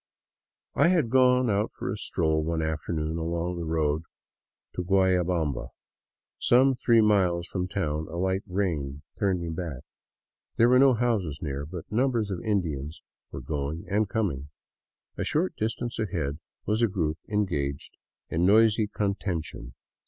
I had gone out for a stroll one afternoon along the road to Gualla bamba. Some three miles from town a light rain turned me back. There were no houses near, but numbers of Indians were going and coming. A short distance ahead was a group engaged in noisy con tention.